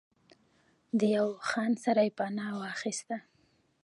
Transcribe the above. د يو خان سره پناه واخسته